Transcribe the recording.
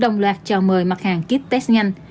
đồng loạt chào mời mặt hàng kiếp test nhanh